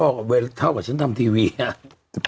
ก็พอเวลาเท่ากับฉันทำทีวี